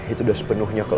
itu udah sepenuhnya ke lo